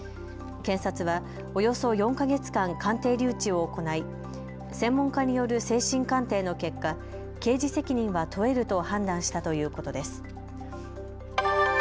検察は、およそ４か月間鑑定留置を行い専門家による精神鑑定の結果、刑事責任は問えると判断したということです。